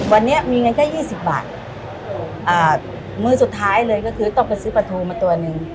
วันนี้มีเงินแค่๒๐บาทมือสุดท้ายเลยก็คือต้องไปซื้อปลาทูมาตัวหนึ่ง